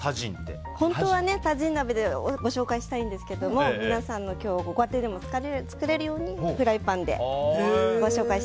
本当はタジン鍋でご紹介したいんですけども皆さんのご家庭でも作れるようにフライパンで。